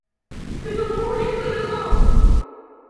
Plutôt mourir que de le rendre!